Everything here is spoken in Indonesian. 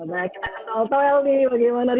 nah kita akan novel toil nih bagaimana reshuffle kami